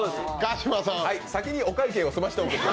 先にお会計を済ませておく。